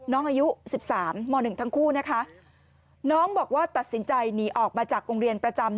น้องอายุ๑๓ม๑ทั้งคู่นะคะน้องบอกว่าตัดสินใจหนีออกมาจากโรงเรียนประจำ